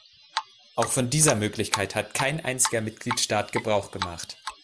Auch von dieser Möglichkeit hat kein einziger Mitgliedstaat Gebrauch gemacht.